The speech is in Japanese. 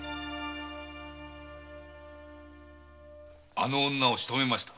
あの女をしとめました。